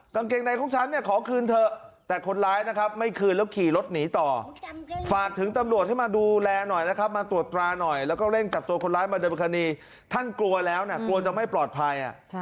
กางเกงในของฉันเนี่ยขอคืนเถอะแต่คนร้ายนะครับไม่คืนแล้วขี่รถหนีต่อฝากถึงตำรวจให้มาดูแลหน่อยนะครับมาตรวจตราหน่อยแล้วก็เร่งจับตัวคนร้ายมาเดินคดีท่านกลัวแล้วนะกลัวจะไม่ปลอดภัย